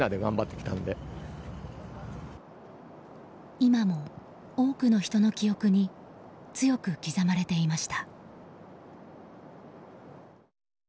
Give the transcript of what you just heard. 今も多くの人の記憶に強く刻まれていました。